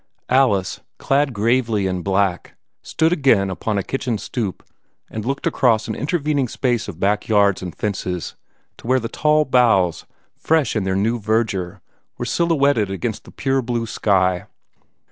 Alice, clad gravely in black, stood again upon a kitchen stoop, and looked across an intervening space of back yards and fences to where the tall boughs, fresh in their new verdure, were silhouetted against the pure blue sky.